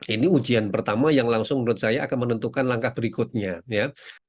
ini ujian pertama yang langsung menurut saya akan menentukan langkah berikutnya ya